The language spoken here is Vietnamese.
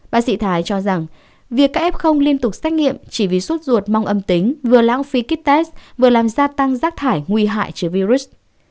bác sĩ thái cho rằng việc các f liên tục xét nghiệm chỉ vì suốt ruột mong âm tính vừa lãng phí test vừa làm gia tăng giác thải nguy hại cho virus